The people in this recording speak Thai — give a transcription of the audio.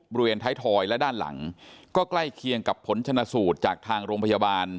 บริเวณท้ายทอยและด้านหลังก็ใกล้เคียงกับผลชนะสูตรจากทางโรงพยาบาล